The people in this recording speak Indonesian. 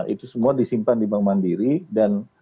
itu semua disimpan di bank mandiri dan